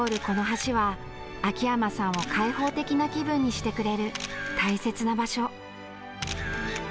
この橋は秋山さんを解放的な気分にしてくれる大切な場所。